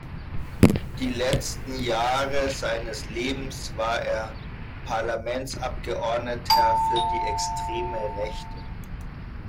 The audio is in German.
Die letzten Jahre seines Lebens war er Parlamentsabgeordneter für die extreme Rechte.